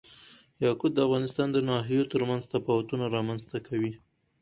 یاقوت د افغانستان د ناحیو ترمنځ تفاوتونه رامنځ ته کوي.